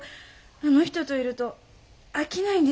あの人といると飽きないんです。